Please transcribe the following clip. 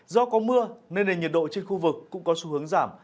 do có mưa nên nền nhiệt độ trên khu vực cũng có xu hướng giảm